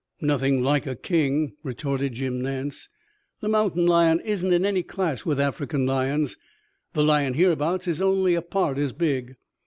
"Nothing like a king," retorted Jim Nance. "The mountain lion isn't in any class with African lions. The lion hereabouts is only a part as big.